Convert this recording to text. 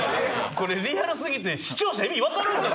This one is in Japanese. これリアルすぎて視聴者意味分かるんか